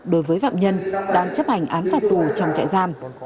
đối với phạm nhân đang chấp hành án phạt tù trong trại giam